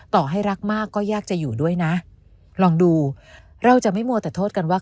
ต่อให้รักมากก็ยากจะอยู่ด้วยนะลองดูเราจะไม่มัวแต่โทษกันว่า